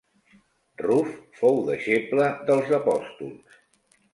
Ruf fou deixeble dels apòstols.